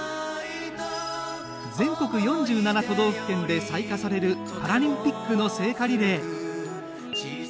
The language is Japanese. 全国４７都道府県で採火されるパラリンピックの聖火リレー。